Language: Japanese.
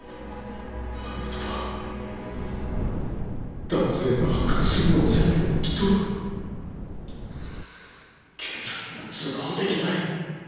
あの男は脱税が発覚するのを恐れてきっと警察には通報できない。